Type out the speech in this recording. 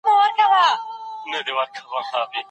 اوږدمهاله فشار د بدن زړښت ګړندی کوي.